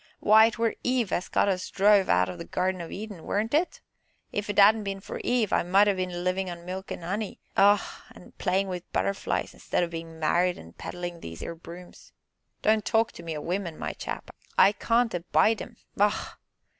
"Why, 'twere Eve as got us druv out o' the Gardin o' Eden, weren't it? If it 'adn't been for Eve I might ha' been livin' on milk an' 'oney, ah! an' playin' wi' butterflies, 'stead o' bein' married, an' peddlin' these 'ere brooms. Don't talk to me o' women, my chap; I can't abide 'em bah!